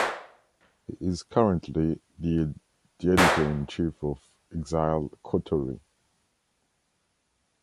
He is currently the editor-in-chief of "Exile" Quarterly.